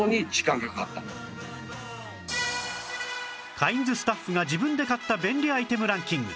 カインズスタッフが自分で買った便利アイテムランキング